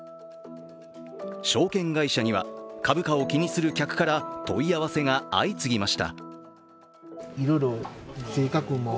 証券会社には株価を気にする客から問い合わせが相次ぎました。